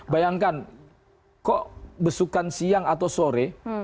bayangkan kok besukan siang atau sore